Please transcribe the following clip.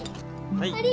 はい。